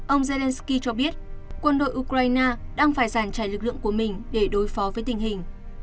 ông zelensky cho biết quân đội ukraine đang phải giàn trải lực lượng của mình để đối phó với tình hình